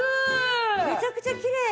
めちゃくちゃきれい！